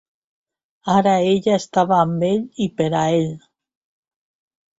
Ara ella estava amb ell i per a ell.